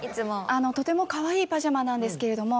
とてもかわいいパジャマなんですけれども。